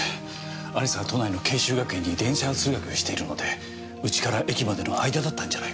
亜里沙は都内の慶修学園に電車通学しているので家から駅までの間だったんじゃないかと。